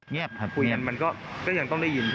คุยกันมันก็ยังต้องได้ยิน